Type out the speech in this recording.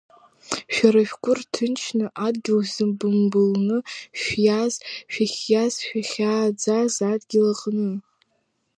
Шәара шәгәы рҭынчны, адгьыл шәзыбымбылны шәиаз, шәахьиз шәахьааӡаз адгьыл аҟны.